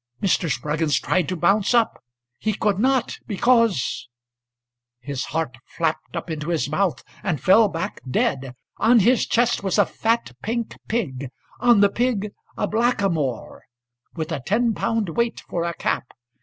Mr. Spruggins tried to bounce up; He could not, because âHis heart flapped up into his mouthAnd fell back dead. On his chest was a fat pink pig, On the pig a blackamoorWith a ten pound weight for a cap.